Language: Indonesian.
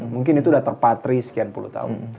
mungkin itu sudah terpatri sekian puluh tahun